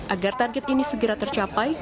agar target ini segera tercapai